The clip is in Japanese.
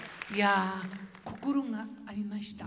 心がありました。